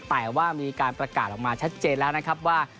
แต่ว่ามีการประกาศลงมาชัดเจนแล้วว่า